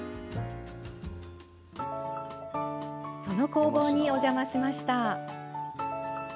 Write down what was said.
その工房にお邪魔しました。